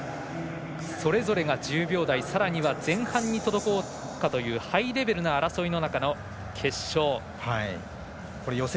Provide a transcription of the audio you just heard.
それぞれが１０秒台さらには前半に届こうかというハイレベルな争いの中の決勝戦。